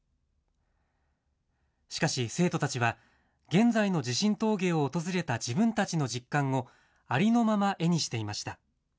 しかし、生徒たちは、現在の地震峠を訪れた自分たちの実感を、ありのまま絵にしていました。